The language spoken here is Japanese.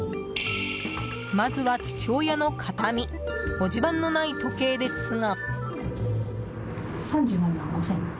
まずは父親の形見文字盤のない時計ですが。